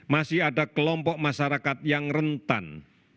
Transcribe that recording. masih ada kelompok masyarakat yang rentan